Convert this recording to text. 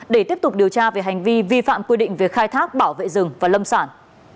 để tiếp tục điều tra về hành vi vi phạm quy định về khai thác bảo vệ rừng và lâm sản